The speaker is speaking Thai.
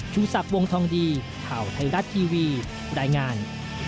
ชูศักดิ์วงทองดีข่าวไทยรัฐทีวีรายงาน